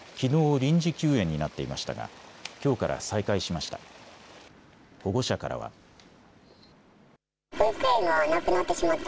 臨時休園になっていましたがきょうから再開しました。